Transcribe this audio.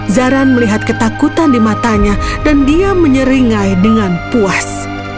zaran melihat ketakutan di matanya dan dia menyeringai dengan puas